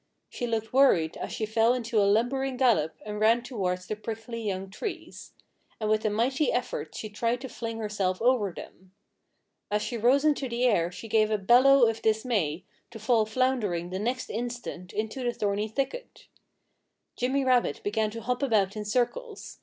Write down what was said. She looked worried as she fell into a lumbering gallop and ran towards the prickly young trees. And with a mighty effort she tried to fling herself over them. As she rose into the air she gave a bellow of dismay, to fall floundering the next instant into the thorny thicket. Jimmy Rabbit began to hop about in circles.